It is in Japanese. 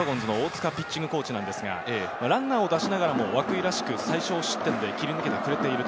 涌井について、ドラゴンズの大塚ピッチングコーチですが、ランナーを出しながらも、涌井らしく最少失点で切り抜けてくれている。